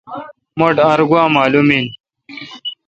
مٹھ ار گوا معلوم این۔